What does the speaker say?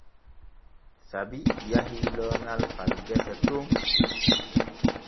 Sabi yahi looŋal far gese ton.